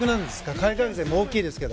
海外勢も大きいですけど。